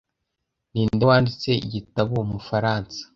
Ninde wanditse igitabo Umufaransa